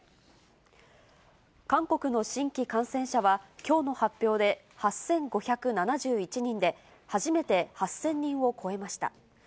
韓国の新規感染者は、きょうの発表で８５７１人で、初めて８０００人を超えました。